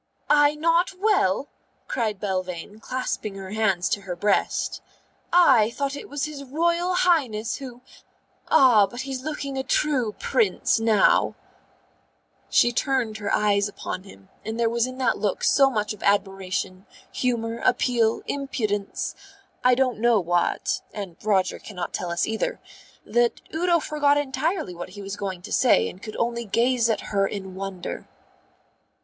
"I not well?" cried Belvane, clasping her hands to her breast. "I thought it was his Royal Highness who Ah, but he's looking a true Prince now." She turned her eyes upon him, and there was in that look so much of admiration, humour, appeal, impudence I don't know what (and Roger cannot tell us, either) that Udo forgot entirely what he was going to say and could only gaze at her in wonder.